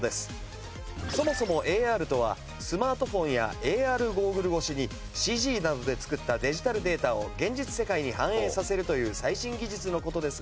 そもそもＡＲとはスマートフォンやＡＲゴーグル越しにＣＧなどで作ったデジタルデータを現実世界に反映させるという最新技術の事ですが。